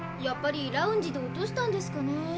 やっぱりラウンジで落としたんですかね